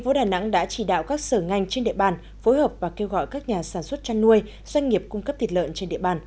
tp đà nẵng đã chỉ đạo các sở ngành trên địa bàn phối hợp và kêu gọi các nhà sản xuất chăn nuôi doanh nghiệp cung cấp thịt lợn trên địa bàn